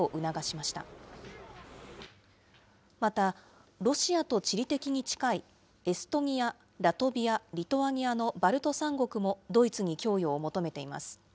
また、ロシアと地理的に近いエストニア、ラトビア、リトアニアのバルト三国も、ドイツに供与を求めています。